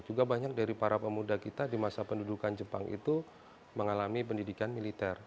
juga banyak dari para pemuda kita di masa pendudukan jepang itu mengalami pendidikan militer